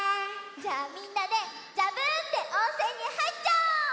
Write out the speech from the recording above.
じゃあみんなで「ざぶん」っておんせんにはいっちゃおう！